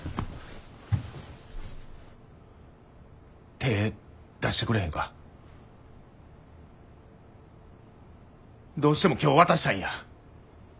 手ぇ出してくれへんか。どうしても今日渡したいんや。